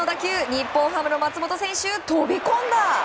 日本ハムの松本選手飛び込んだ！